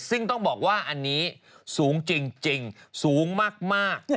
ซึ่งต้องบอกว่าอันนี้สูงจริงสูงมาก